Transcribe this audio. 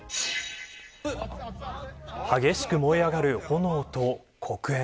激しく燃え上がる炎と黒煙。